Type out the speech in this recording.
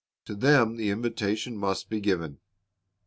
To them the invitation must be given.